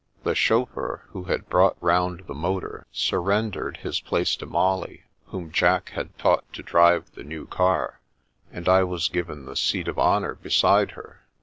The chauffeur who had brought round the motor surrendered his place to Molly, whom Jack had taught to drive the new car, and I was given the seat of honour beside her.